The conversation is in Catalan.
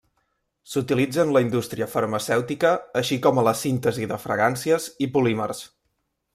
S'utilitza en la indústria farmacèutica així com a la síntesi de fragàncies i polímers.